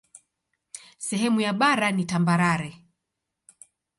Sehemu ya bara ni tambarare.